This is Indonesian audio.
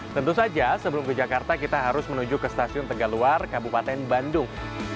tentu saja sebelum ke jakarta kita harus menuju ke stasiun tegaluar kabupaten bandung